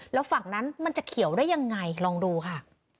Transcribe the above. แล้วฝั่งนั้นมันจะเขียวได้ยังไงลองดูค่ะ